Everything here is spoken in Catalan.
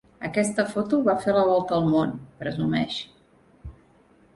Aquesta foto va fer la volta al món —presumeix—.